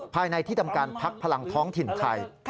ภายในที่ทำการพักพลังท้องถิ่นไทย